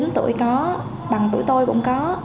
chín tuổi có bằng tuổi tôi cũng có